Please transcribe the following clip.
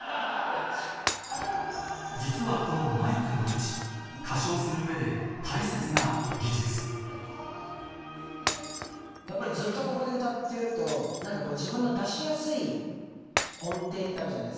実はこのマイクの位置歌唱する上で大切な技術ずっとここで歌ってると自分の出しやすい音程ってあるじゃないですか。